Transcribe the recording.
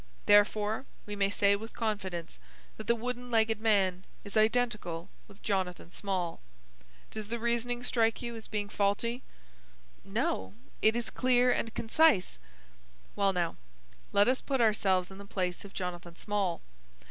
Therefore we may say with confidence that the wooden legged man is identical with Jonathan Small. Does the reasoning strike you as being faulty?" "No: it is clear and concise." "Well, now, let us put ourselves in the place of Jonathan Small.